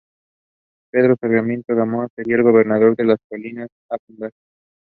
She then studied law at the University of Lausanne and the University of Fribourg.